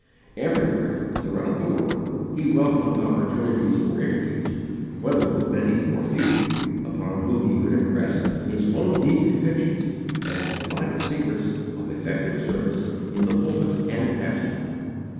Everywhere, throughout the world, he welcomed opportunities for interviews, whether with many or few, upon whom he could impress his own deep convictions as to the vital secrets of effective service in the pulpit and pastorate.